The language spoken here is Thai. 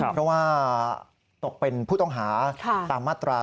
เพราะว่าตกเป็นผู้ต้องหาตามมาตรา๑